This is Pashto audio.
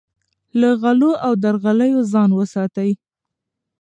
له غلو او درغلیو ځان وساتئ.